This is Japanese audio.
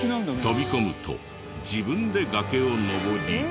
飛び込むと自分で崖を登り。